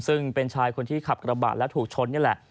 ซึ่งเป็นชายคนที่ขับกระบะและถูกชนนี่แหละ